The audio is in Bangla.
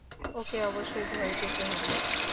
ওকে অবশ্যই ভয় পেতে হবে।